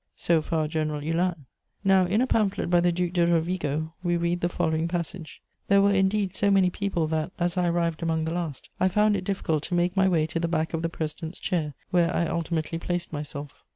* So far General Hulin. Now, in a pamphlet by the Duc de Rovigo we read the following passage: "There were, indeed, so many people that, as I arrived among the last, I found it difficult to make my way to the back of the president's chair, where I ultimately placed myself."